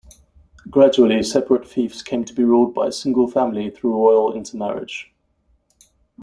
Gradually, separate fiefs came to be ruled by a single family through royal intermarriage.